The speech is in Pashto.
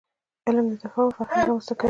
علم د تفاهم فرهنګ رامنځته کوي.